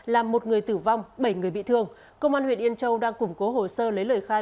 làm một người tử vong bảy người bị thương công an huyện yên châu đang củng cố hồ sơ lấy lời khai